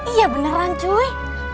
iya beneran cuy